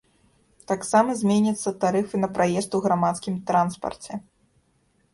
Таксама зменяцца тарыфы на праезд у грамадскім транспарце.